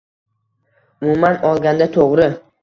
Umuman olganda, to‘g‘ri.